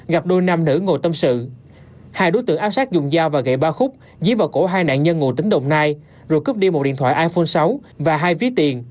gãy ba khúc dí vào cổ hai nạn nhân ngồi tỉnh đồng nai rồi cướp đi một điện thoại iphone sáu và hai ví tiền